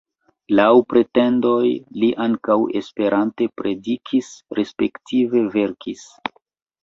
Laŭ pretendoj li ankaŭ Esperante predikis, respektive verkis.